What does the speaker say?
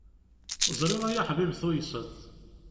Ẓriɣ ay aḥbib tuyseḍ.